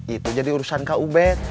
itu jadi urusan kak ubed